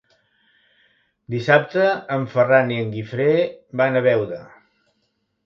Dissabte en Ferran i en Guifré van a Beuda.